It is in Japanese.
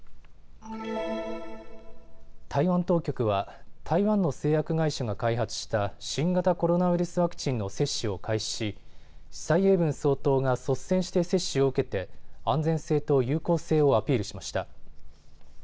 台湾当局は台湾の製薬会社が開発した新型コロナウイルスワクチンの接種を開始し蔡英文総統が率先して接種を受けて安全性と有効性をアピールしました。